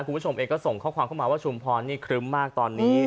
คุณผู้ชมเองก็ส่งข้อความเข้ามาว่าชุมพรนี่ครึ้มมากตอนนี้